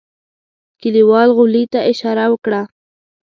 کليوال غولي ته اشاره وکړه.